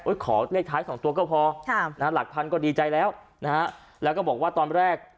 ขอเลขท้ายสองตัวก็พอค่ะนะฮะหลักพันก็ดีใจแล้วนะฮะแล้วก็บอกว่าตอนแรก